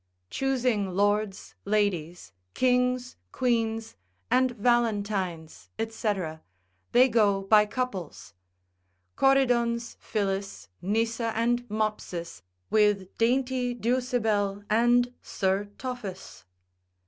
Choosing lords, ladies, kings, queens, and valentines, &c., they go by couples, Corydon's Phillis, Nysa and Mopsus, With dainty Dousibel and Sir Tophus.